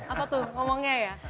apa tuh ngomongnya ya